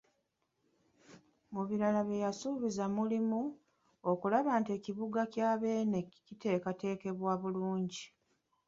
Mu birala bye yasuubizza mulimu; okulaba nti ekibuga kya Beene kiteekebwateekebwa bulungi.